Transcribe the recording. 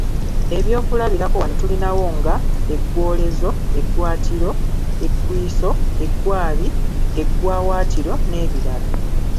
Ebyokulabirako wano tulinawo nga, eggwoolezo, eggwaatiro, eggwiiso, eggwaabi, eggwaawaatiro n'ebirala.